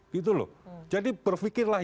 gitu loh jadi berpikirlah